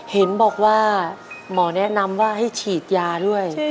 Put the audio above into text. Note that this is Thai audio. เห็นบอกว่าหมอแนะนำว่าให้ฉีดยาด้วย